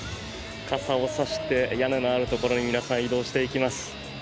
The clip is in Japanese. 傘を差して屋根のあるところに皆さん移動していきます。